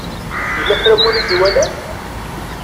Yella kra n win i t-iwalan?